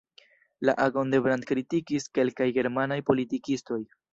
La agon de Brandt kritikis kelkaj germanaj politikistoj.